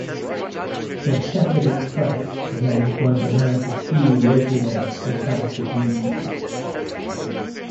The "Shepherd Express" remains one of America's few locally owned alternative newsweeklies.